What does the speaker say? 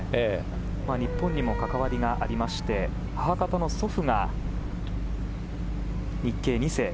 日本にも関わりがありまして母方の祖父が日系２世。